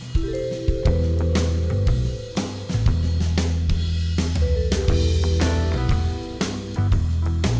tengah tengah rama mamanya